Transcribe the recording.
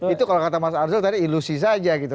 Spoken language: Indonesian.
itu kalau kata mas arzul tadi ilusi saja gitu